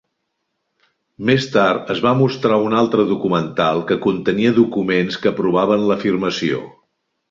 Més tard es va mostrar un altre documental que contenia documents que provaven l'afirmació.